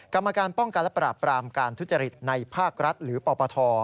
กรรมการป้องกันและปราบปรามการทุจริตในภาครัฐหรือปปท